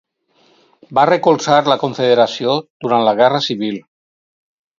Va recolzar la confederació durant la guerra civil.